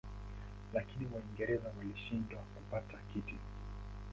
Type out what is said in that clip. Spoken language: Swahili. Lakini Waingereza walishindwa kupata kiti.